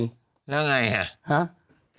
แล้วไง